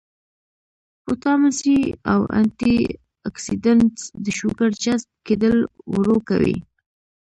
وټامن سي او انټي اکسيډنټس د شوګر جذب کېدل ورو کوي